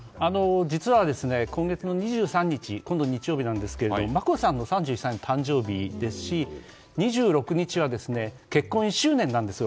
実は、今月２３日今度の日曜日なんですが眞子さんの３１歳の誕生日ですし２６日は結婚１周年なんです